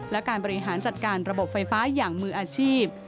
และการบริหารจัดการระบบไฟฟ้าอย่างมืออาชีพ